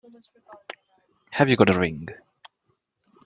Have you got a ring?